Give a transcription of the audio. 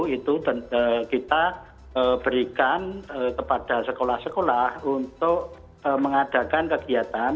itu kita berikan kepada sekolah sekolah untuk mengadakan kegiatan